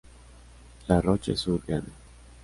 La Roche-sur-Grane